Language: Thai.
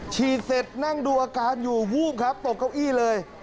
ฉีดเสร็จนั่งดูอาการอยู่วูบครับตกเก้าอี้เลย